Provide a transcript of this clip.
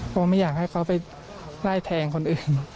เพราะไม่อยากให้เขาไปไล่แทงคนอื่น